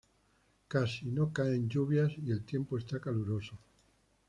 Casi no caen lluvias y el tiempo está caluroso.